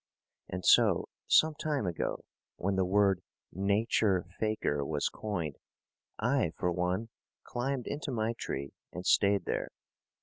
And so, some time ago, when the word nature faker was coined, I, for one, climbed into my tree and stayed there.